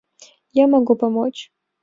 Я могу помочь.